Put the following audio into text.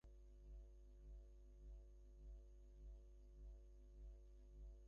এতে একদিকে নৌ-চলাচলে বিঘ্ন ঘটছে, অন্যদিকে লাখ লাখ পোনা নিধন করা হচ্ছে।